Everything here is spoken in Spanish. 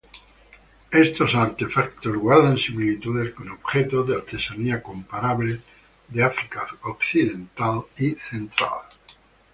Estos artefactos guardan similitudes con objetos de artesanía comparables de África Occidental y Central.